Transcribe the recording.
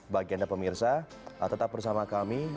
bagi anda pemirsa tetap bersama kami